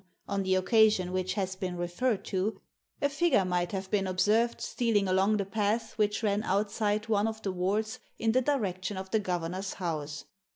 on the occasion which has been referred to, a figure might have been observed stealing along the path which ran outside one of the wards in the direction of the governor's house.